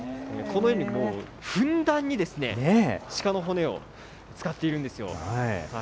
このようにもうふんだんにですね、鹿の骨を使っているんですよ。